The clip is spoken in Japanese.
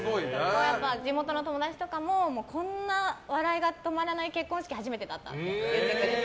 地元の友達とかもこんな笑いが止まらない結婚式、初めてだったって言ってくれて。